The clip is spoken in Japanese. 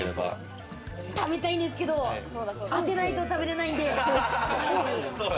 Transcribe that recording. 食べたいんですけれど、当てないと食べれないんで。